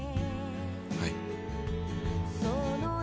はい。